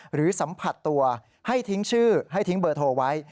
หรือสัมผัสตัวให้ทิ้งชื่อให้ทิ้งเบอร์โทรไว้